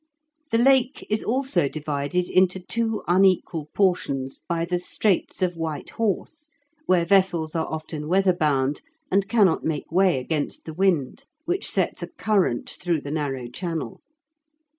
The Lake is also divided into two unequal portions by the straits of White Horse, where vessels are often weather bound, and cannot make way against the wind, which sets a current through the narrow channel.